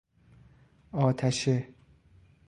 آتشه